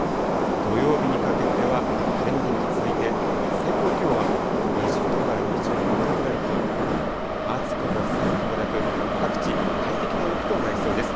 土曜日にかけては晴れの天気続いて、最高気温は２０度から２２度くらいと、暑くも寒くもなく、各地快適な陽気となりそうです。